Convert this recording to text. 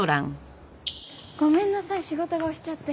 ごめんなさい仕事が押しちゃって。